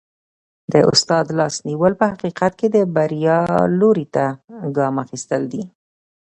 د استاد لاس نیول په حقیقت کي د بریا لوري ته ګام اخیستل دي.